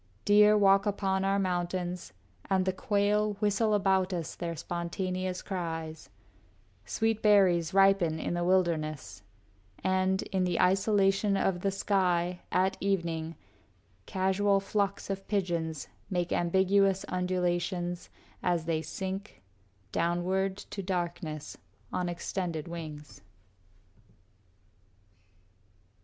Deer walk upon our mountains, and the quail Whistle about us their spontaneous cries; Sweet berries ripen in the wilderness; And, in the isolation of the sky, At evening, casual flocks of pigeons make Ambiguous undulations as they sink, Downward to darkness, on extended wings.